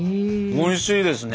おいしいですね。